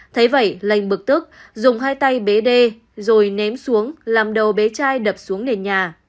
thấy vậy lành bực tức dùng hai tay bế đê rồi ném xuống làm đầu bé trai đập xuống nền nhà